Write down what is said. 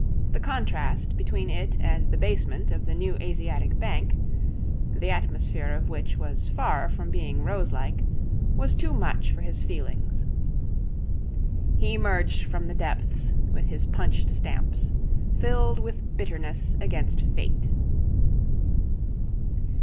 The contrast between it and the basement of the new Asiatic Bank, the atmosphere of which was far from being roselike, was too much for his feelings. He emerged from the depths, with his punched stamps, filled with bitterness against Fate.